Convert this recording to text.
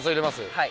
はい。